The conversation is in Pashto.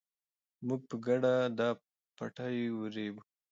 موږ به په ګډه دا پټی ورېبو.